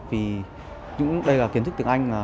vì đây là kiến thức tiếng anh